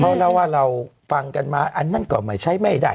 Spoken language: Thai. เพราะเราว่าเราฟังกันมาอันนั้นก่อนหมายใช้ไม่ได้